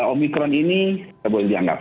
omnitron ini boleh dianggap